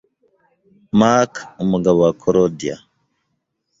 Mark umugabo wa Claudia